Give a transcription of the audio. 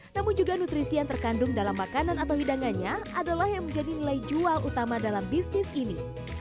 namun juga nutrisi yang terkandung dalam makanan atau hidangannya adalah yang menjadi nilai jual utama dalam bisnis ini